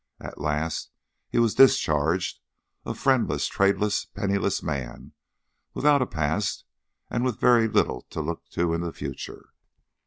At last he was discharged, a friendless, tradeless, penniless man, without a past, and with very little to look to in the future.